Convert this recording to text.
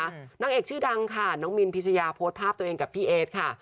นางเอกชื่อดังค่ะน้องมินพิชยาโพสต์ภาพตัวเองกับพี่เอสค่ะ